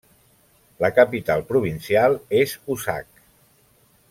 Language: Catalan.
La capital provincial és Uşak.